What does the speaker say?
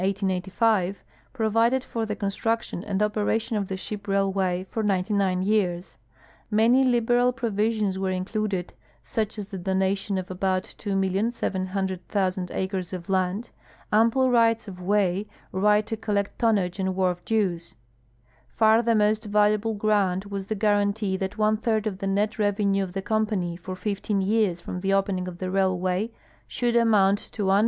5, provided for the construction and operation of the ship railAvay for 99 years. Many liberal provisions Avere included, such as the donation of about 2,700,000 acres of land, ample rights of Avay, right to col lect tonnage and Avharf dues. Far the most valuable grant was the guaranty that one third of the net revenue of the coinpaii}'' for fifteen years from the opening of the raihvay should amount to $1,2.